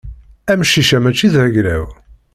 Amcic-a mačči d agla-w.